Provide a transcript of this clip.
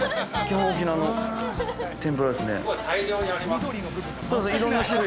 沖縄の天ぷらですね。